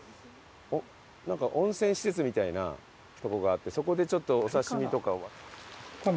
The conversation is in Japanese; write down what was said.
なんか温泉施設みたいなとこがあってそこでちょっとお刺し身とか。